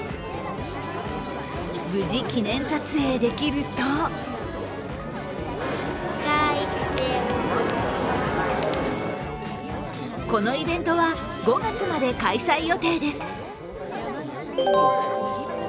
無事、記念撮影できるとこのイベントは、５月まで開催予定です。